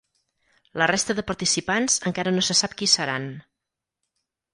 La resta de participants encara no se sap qui seran.